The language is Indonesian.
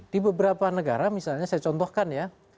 di beberapa negara misalnya saya contohkan ya